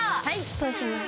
どうします？